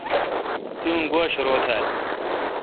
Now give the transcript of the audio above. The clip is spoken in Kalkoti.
تی اون گوا شرو تھال۔